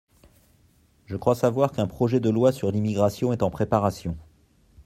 Je crois savoir qu’un projet de loi sur l’immigration est en préparation.